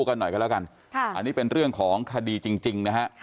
กันหน่อยกันแล้วกันอันนี้เป็นเรื่องของคดีจริงนะฮะ